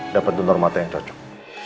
dapat donor mata yang cocok